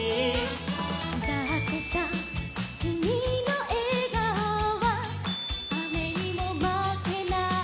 「だってさきみのえがおはあめにもまけない」